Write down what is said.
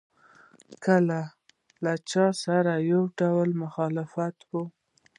کله له چا سره یو ډول مخالف وي.